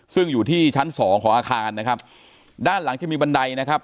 ซึ่งอยู่ที่ชั้นสองของอาคารนะครับด้านหลังจะมีบันไดนะครับ